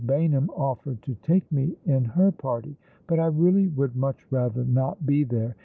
Baynham offered to take me in her party. But I really would much rather not be there.